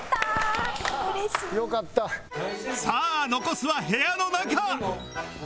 さあ残すは部屋の中